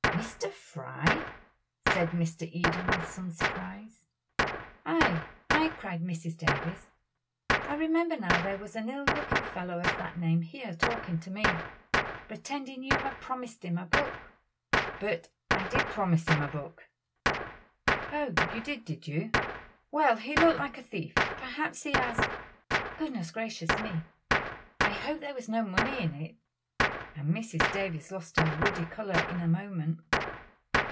"Mr. Fry!" said Mr. Eden, with some surprise. "Ay! ay!" cried Mrs. Davies. "I remember now there was an ill looking fellow of that name here talking to me, pretending you had promised him a book." "But I did promise him a book." "Oh, you did, did you! well he looked like a thief, perhaps he has goodness gracious me, I hope there was no money in it," and Mrs. Davies lost her ruddy color in a moment.